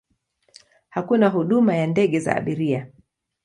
Hakuna huduma ya ndege za abiria.